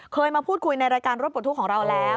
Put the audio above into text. เคยมาพูดคุยในรายการรถบททู้ของเราแล้ว